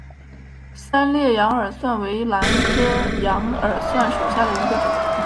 三裂羊耳蒜为兰科羊耳蒜属下的一个种。